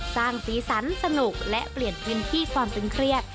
สร้างสีสันสนุกและเปลี่ยนพื้นที่ความตึงเครียด